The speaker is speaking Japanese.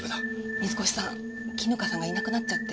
水越さん絹香さんがいなくなっちゃって。